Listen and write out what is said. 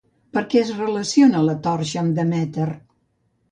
Per què es relaciona la torxa amb Demèter?